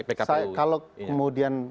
pkpu kalau kemudian